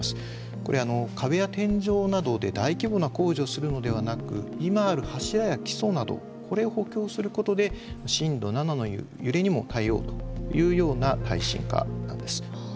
これ壁や天井などで大規模な工事をするのではなく今ある柱や基礎などこれを補強することで震度７の揺れにも耐えようというような耐震化なんです。